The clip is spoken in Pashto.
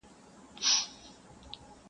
خپل وېښته وینم پنبه غوندي ځلیږي-